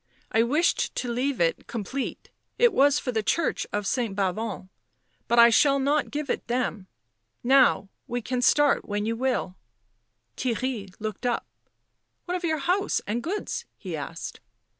I wished to leave it com plete — it was for the church of St. Bavon, but I shall not give it them. Now, we can start when you will." Theirry looked up. " What of your house and goods?" he asked.